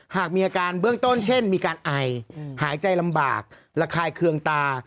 หากมีอาการเบื้องต้นเช่นมีการไอหายใจลำบากระคายเคืองตา